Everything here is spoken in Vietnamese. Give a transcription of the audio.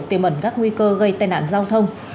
tiêu mẩn các nguy cơ gây tên ản giao thông